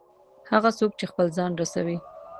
هغه څوک چې خپل ځان رسوي.